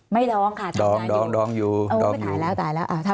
ไม่ดองค่ะทำงานอยู่อ๋อไปถ่ายแล้วอ่าทำงานอยู่